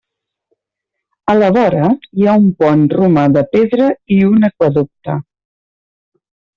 A la vora hi ha un pont romà de pedra i un aqüeducte.